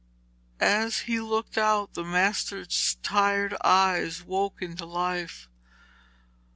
As he looked out, the master's tired eyes woke into life.